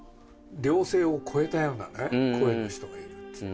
両性を超えたようなね、声の人がいるっていって。